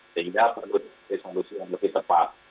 sehingga perlu disolusi yang lebih tepat